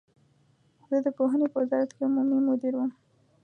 زه د پوهنې په وزارت کې عمومي مدیر وم.